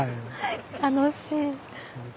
楽しい。